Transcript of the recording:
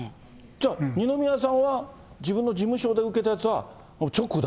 じゃあ二宮さんは、自分の事務所で受けたやつは、もう直だ。